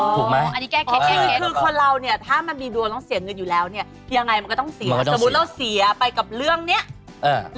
อ๋อคือคนเรานี่ถ้ามันมีดัวแล้วที่เสียเงินอยู่แล้วเนี่ยมันก็สมมุติจะเสียไปกับเรื่องเนี้ย